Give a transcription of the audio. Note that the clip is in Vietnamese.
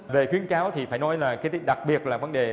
về khuyến cáo thì phải nói là cái đặc biệt là vấn đề